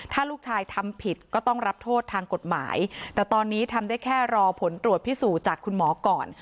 ถ้าลูกชายทำผิดก็ต้องรับโทษทางกฎหมายแต่ตอนนี้ทำได้แค่รอผลตรวจพิสูจน์จากคุณหมอก่อน